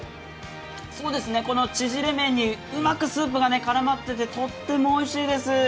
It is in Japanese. この縮れ麺にうまくスープが絡まっていて、とってもおいしいです。